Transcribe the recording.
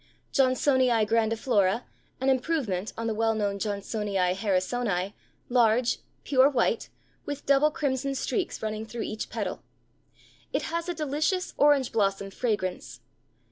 Johnsonii Grandiflora, an improvement on the well known Johnsonii Harrisoni, large, pure white, with double crimson streaks running through each petal. It has a delicious, orange blossom fragrance.